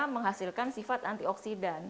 menghasilkan sifat antioksidan